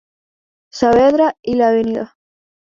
Saavedra y la Av.